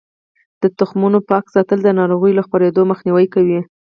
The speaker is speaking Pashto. د تخمونو پاک ساتل د ناروغیو له خپریدو مخنیوی کوي.